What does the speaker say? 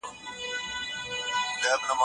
دا موضوع په حقیقت کي یوه لویه علمي لاسته راوړنه ده.